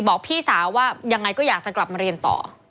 บอกพี่สาวว่ายังไงก็อยากจะกลับมาเรียนต่อ